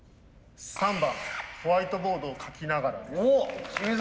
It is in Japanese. ３番ホワイトボードを書きながらです。